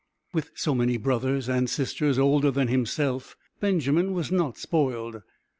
With so many brothers and sisters older than himself, Benjamin was not spoiled.